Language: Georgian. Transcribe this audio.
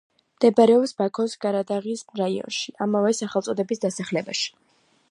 მდებარეობს ბაქოს გარადაღის რაიონში, ამავე სახელწოდების დასახლებაში.